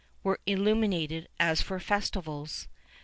] were illuminated as for festivals.